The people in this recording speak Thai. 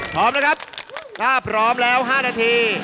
พร้อมนะครับถ้าพร้อมแล้ว๕นาที